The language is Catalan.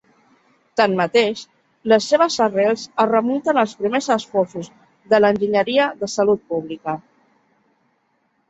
Tanmateix, les seves arrels es remunten als primers esforços de la enginyeria de salut pública.